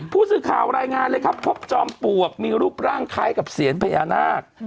ผู้สื่อข่าวรายงานเลยครับพบจอมปลวกมีรูปร่างคล้ายกับเสียญพญานาค